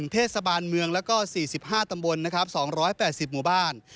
เทศบาลเมืองแล้วก็๔๕ตำบลนะครับ๒๘๐หมู่บ้าน